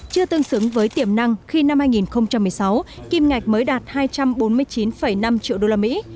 chưa tương xứng với tiềm năng khi năm hai nghìn một mươi sáu kim ngạch mới đạt hai trăm bốn mươi chín năm triệu đô la mỹ